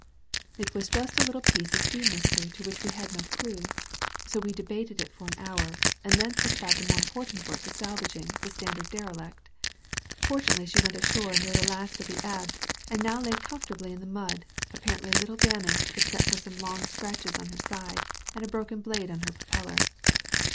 "It was just a little piece of sea mystery to which we had no dew. So we debated it for an hour, and then set about the more important work of salvaging the stranded derelict. Fortunately she went ashore near the last of the ebb, and now lay comfortably in the mud, apparently little damaged except for som^ long scratches on her side, and a broken blade in her propeller.